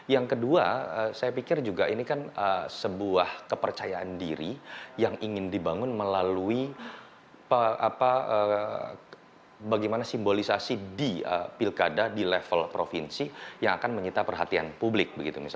yang kedua saya pikir juga ini kan sebuah kepercayaan diri yang ingin dibangun melalui bagaimana simbolisasi di pilkada di level provinsi yang akan menyita perhatian publik